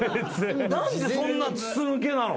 何でそんな筒抜けなの？